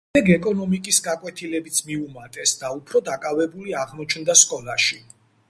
შემდეგ ეკონომიკის გაკვეთილებიც მიუმატეს და უფრო დაკავებული აღმოჩნდა სკოლაში.